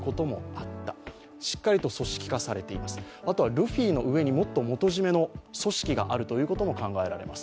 ルフィの上にもっと元締めの組織があることも考えられます。